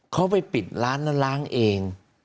เขาไปปิดร้านแล้วล้างเอง